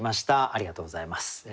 ありがとうございます。